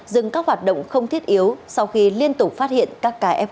dừng các hoạt động không thiết yếu sau khi liên tục phát hiện các kf